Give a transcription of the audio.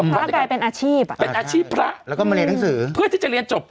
กลายเป็นอาชีพอ่ะเป็นอาชีพพระแล้วก็มาเรียนหนังสือเพื่อที่จะเรียนจบ